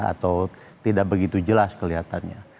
atau tidak begitu jelas kelihatannya